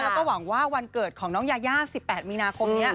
แล้วก็หวังว่าวันเกิดของน้องยายา๑๘มีนาคมนี้